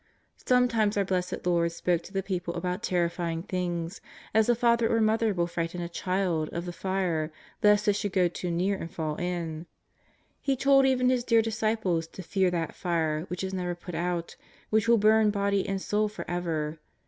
Sometimes our Blessed Lord spoke to the people about terrifying things, as a father or mother will frighten a child of the fire lest it should go too near and fall in. He told even His dear disciples to fear that fire which is never put out, which will burn body and soul for ever.